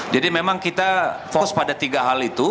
jadi memang kita fokus pada tiga hal itu